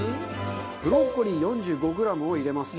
ブロッコリー４５グラムを入れます。